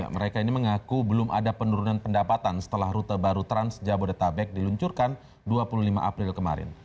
mereka ini mengaku belum ada penurunan pendapatan setelah rute baru trans jabodetabek diluncurkan dua puluh lima april kemarin